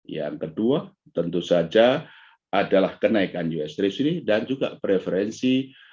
yang kedua tentu saja adalah kenaikan us treasury dan juga preferensi investor dalam negeri yang tentu saja bisa menerima